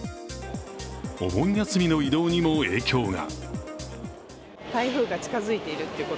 お盆休みの移動にも影響が。